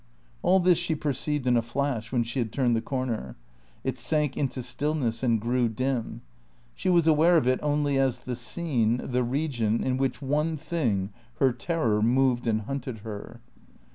All this she perceived in a flash, when she had turned the corner. It sank into stillness and grew dim; she was aware of it only as the scene, the region in which one thing, her terror, moved and hunted her.